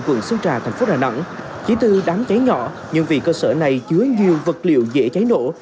quận sơn trà thành phố đà nẵng chỉ từ đám cháy nhỏ nhưng vì cơ sở này chứa nhiều vật liệu dễ cháy nổ